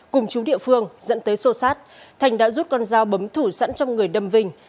cùng chú địa phương dẫn tới sô sát thành đã rút con dao bấm thủ sẵn trong người đâm vinh